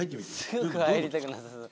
すごく入りたくなさそう。